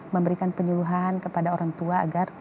memberikan penyuluhan kepada orang tua agar